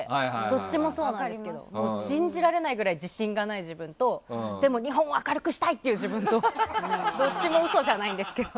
どっちもそうなんですけど信じられないぐらい自信がない自分とでも、日本を明るくしたいっていう自分とどっちも嘘じゃないんですけど。